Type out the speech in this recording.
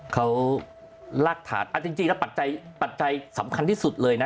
เขาลากถาดจริงแล้วปัจจัยสำคัญที่สุดเลยนะ